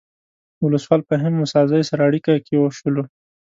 ولسوال فهیم موسی زی سره اړیکه کې شولو.